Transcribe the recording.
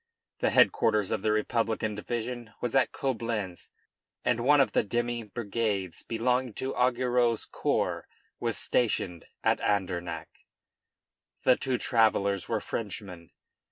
The headquarters of the Republican division was at Coblentz, and one of the demi brigades belonging to Augereau's corps was stationed at Andernach. The two travellers were Frenchmen.